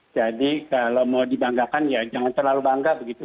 jadi kalau mau dibanggakan ya jangan terlalu bangga begitu